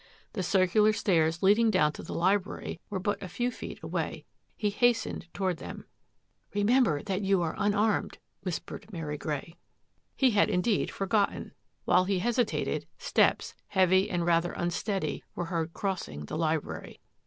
The circular stairs leading down to the library were but a few feet away. He hastened toward them. "Remember that you are unarmed," whispered Mary Grey. S4 THAT AFFAIR AT THE MANOR He had indeed forgotten. While he hesitated, steps, heavy and rather unsteady, were heard cross ing the library.